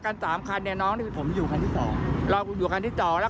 คันแรกครับ